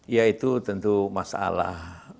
ya itu tentu masalah